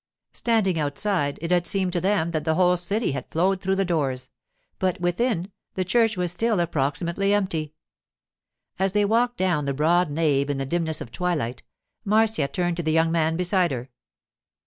Standing outside, it had seemed to them that the whole city had flowed through the doors; but within, the church was still approximately empty. As they walked down the broad nave in the dimness of twilight, Marcia turned to the young man beside her.